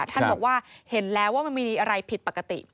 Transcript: ท่านบอกว่าเห็นแล้วว่ามันมีอะไรผิดปกติ